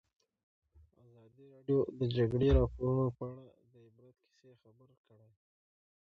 ازادي راډیو د د جګړې راپورونه په اړه د عبرت کیسې خبر کړي.